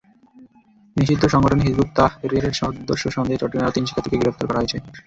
নিষিদ্ধ সংগঠন হিযবুত তাহ্রীরের সদস্য সন্দেহে চট্টগ্রামে আরও তিন শিক্ষার্থীকে গ্রেপ্তার করা হয়েছে।